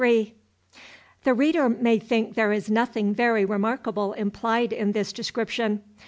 The reader may think there is nothing very remarkable implied in this description.